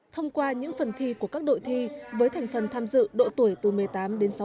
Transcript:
thông qua những phần thi của các đội thi với thành phần tham dự độ tuổi từ một mươi tám đến sáu mươi